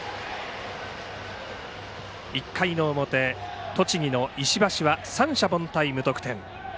１回の表、栃木の石橋は三者凡退で無得点。